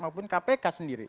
maupun kpk sendiri